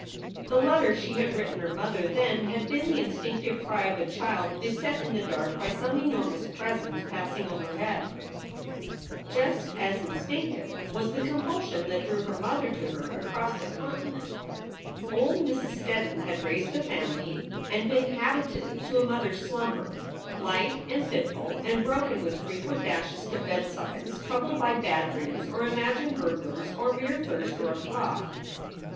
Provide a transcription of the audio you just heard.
The letter she had written her mother then had been the instinctive cry of a child beset in the dark by some enormous presence passing overhead. 200 SOULS FOR SALE Just as instinctive was the compulsion that drew her mother to her across the continent. Old Mrs. Steddon had raised a family and been habited to a mother s slumber, light and fitful and broken with frequent dashes to bedsides troubled by bad dreams or imagined burglars or mere thirst or a cough.